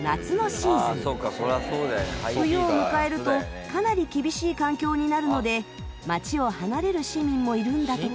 冬を迎えるとかなり厳しい環境になるので街を離れる市民もいるんだとか。